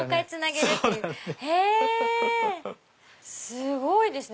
すごいですね。